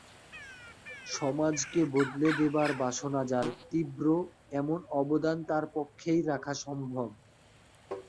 সমাজকে বদলে দেবার বাসনা যার তীব্র এমন অবদান তার পক্ষেই রাখা সম্ভব।